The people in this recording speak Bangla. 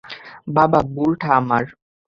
বাবা, ভুলটা আমার।